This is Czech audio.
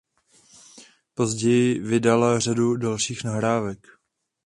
Později vydala řadu dalších nahrávek.